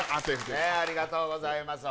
ありがとうございます